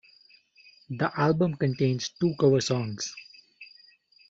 The album contains two cover songs.